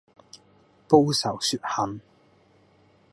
報仇雪恨